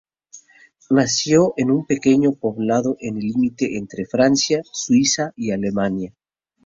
Nació en un pequeño poblado en el límite entre Francia, Suiza y Alemania.